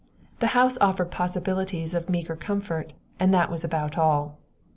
The house offered possibilities of meager comfort, and that was about all.